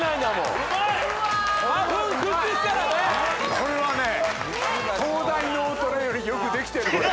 これは東大ナゾトレよりよくできてるこれ。